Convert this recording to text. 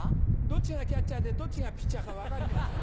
どっちがキャッチャーでどっちがピッチャーか分かりません。